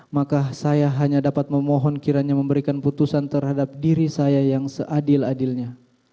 maka saya hanya dapat memohon kiranya memberikan putusan terhadap diri saya yang seadil adilnya